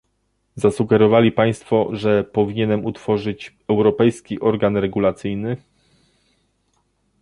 Zasugerowali Państwo, że powinienem utworzyć europejski organ regulacyjny